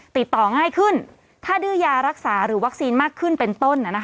ติดต่อง่ายขึ้นถ้าดื้อยารักษาหรือวัคซีนมากขึ้นเป็นต้น